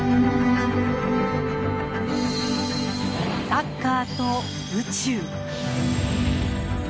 サッカーと宇宙。